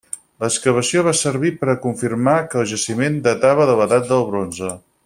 L'excavació va servir per a confirmar que el jaciment datava de l'edat del bronze.